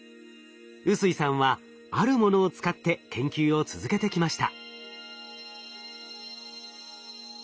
臼井さんはあるものを使って研究を続けてきました。